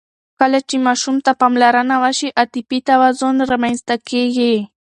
کله چې ماشوم ته پاملرنه وشي، عاطفي توازن رامنځته کېږي.